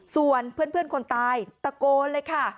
ส่วนเพื่อนคนตายตะโกนเลยค่ะ